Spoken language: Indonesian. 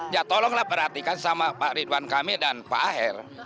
ya tolonglah perhatikan sama pak ridwan kamil dan pak aher